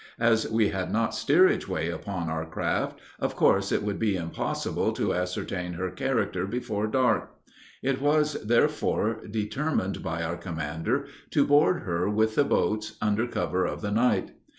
As we had not steerage way upon our craft, of course it would be impossible to ascertain her character before dark; it was, therefore, determined by our commander to board her with the boats, under cover of the night.